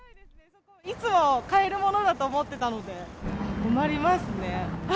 いつも買えるものだと思っていたので、困りますね。